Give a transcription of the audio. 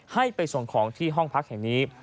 ให้ไปส่งของที่ห้องพักแห่งนี้